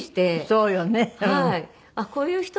そうよね。